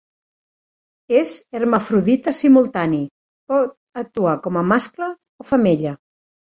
És hermafrodita simultani: pot actuar com a mascle o femella.